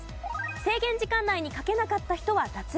制限時間内に書けなかった人は脱落。